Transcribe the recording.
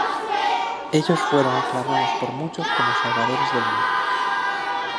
Ellos fueron aclamados por muchos como salvadores del mundo.